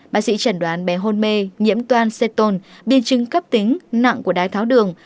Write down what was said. bác sĩ chẩn đoán bé hôn mê nhiễm toan seton biên chứng cấp tính nặng của đái tháo đường